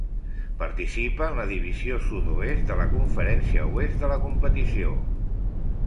Participa en la Divisió Sud-oest de la Conferència Oest de la competició.